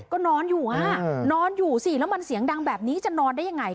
ก็นอนอยู่อ่ะนอนอยู่สิแล้วมันเสียงดังแบบนี้จะนอนได้ยังไง